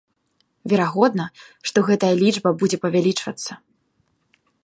Верагодна, што гэтая лічба будзе павялічвацца.